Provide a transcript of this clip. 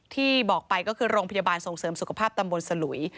ที่บอกไปก็คือโรงพยาบาลส่งเสริมสุขภาพตำบลสลุย